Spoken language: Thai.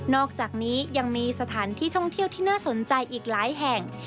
อกจากนี้ยังมีสถานที่ท่องเที่ยวที่น่าสนใจอีกหลายแห่ง